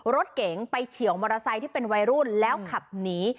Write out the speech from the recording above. รถเก๋งไปเฉียวมอเตอร์ไซค์ที่เป็นวัยรุ่นแล้วขับหนี